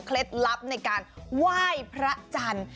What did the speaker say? เคล็ดลับในการว่ายพระจันทร์